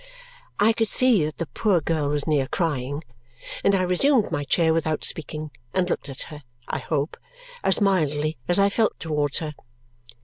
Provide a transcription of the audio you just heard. I could see that the poor girl was near crying, and I resumed my chair without speaking and looked at her (I hope) as mildly as I felt towards her.